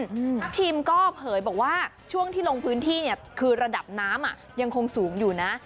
ทัพทิมก็เผยบอกว่าช่วงที่ลงพื้นที่เนี่ยคือระดับน้ำอ่ะยังคงสูงอยู่นะ